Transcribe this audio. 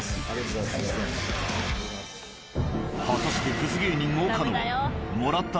果たしてクズ芸人岡野はもらった